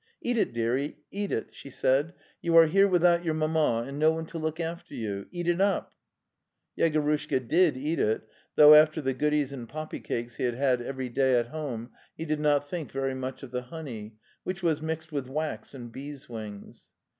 ViBat it: dearte earth' she lisardsi i oun are here without your mamma, and no one to look after VOU Fatnt aps, Yegorushka did eat it, though after the goodies and poppy cakes he had every day at home, he did not think very much of the honey, which was mixed with wax and bees' wings.